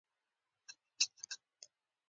موږ باید د دې تبلیغاتو مخه ونیسو